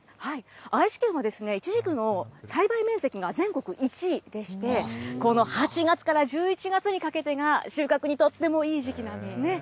愛知県はいちじくの栽培面積が全国１位でして、この８月から１１月にかけてが、収穫にとってもいい時期なんですね。